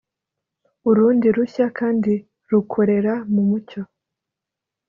urundi rushya kandi rukorera mu mucyo